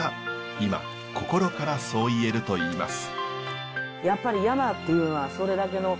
今心からそう言えるといいます。